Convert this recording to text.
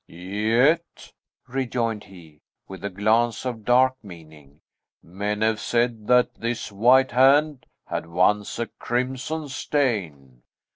"Yet," rejoined he, with a glance of dark meaning, "men have said that this white hand had once a crimson stain."